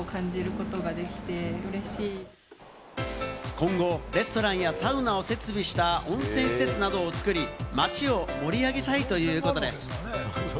今後、レストランやサウナを設備した温泉施設などを作り、町を盛り上げたいということです。